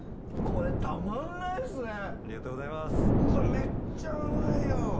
めっちゃうまいよ。